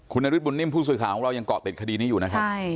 คุณนฤทธบุญนิ่มผู้สื่อข่าวของเรายังเกาะติดคดีนี้อยู่นะครับ